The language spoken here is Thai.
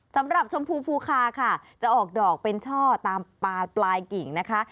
ชมพูภูคาค่ะจะออกดอกเป็นช่อตามปลาปลายกิ่งนะคะ